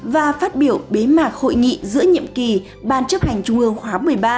và phát biểu bế mạc hội nghị giữa nhiệm kỳ ban chấp hành trung ương khóa một mươi ba